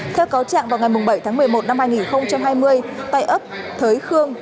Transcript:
theo cáo trạng vào ngày bảy tháng một mươi một năm hai nghìn hai mươi tại ấp thới khương